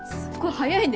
早いね。